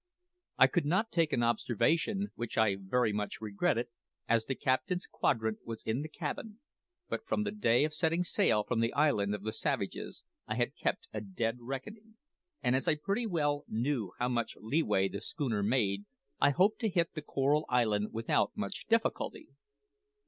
I could not take an observation, which I very much regretted, as the captain's quadrant was in the cabin; but from the day of setting sail from the island of the savages I had kept a dead reckoning, and as I knew pretty well now how much leeway the schooner made, I hoped to hit the Coral Island without much difficulty.